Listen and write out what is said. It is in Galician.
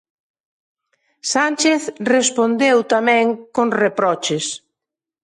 Sánchez respondeu tamén con reproches.